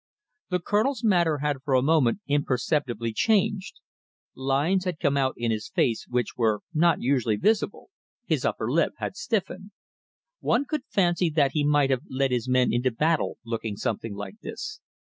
The Colonel's manner had for a moment imperceptibly changed. Lines had come out in his face which were not usually visible, his upper lip had stiffened. One could fancy that he might have led his men into battle looking something like this.